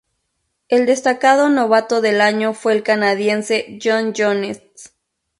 El destacado Novato del Año fue el canadiense John Jones.